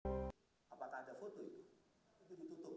apa tak ada posisi